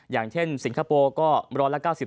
อย่างเช่นสิงคโปร์ก็๑๙๐